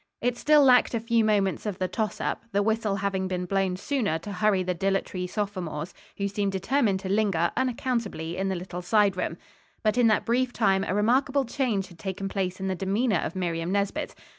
It still lacked a few moments of the toss up; the whistle having been blown sooner to hurry the dilatory sophomores, who seemed determined to linger, unaccountably, in the little side room. But in that brief time a remarkable change had taken place in the demeanor of Miriam Nesbit.